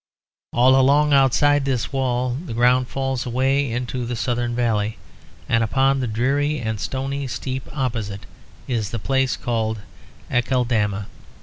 All along outside this wall the ground falls away into the southern valley; and upon the dreary and stony steep opposite is the place called Acaldama.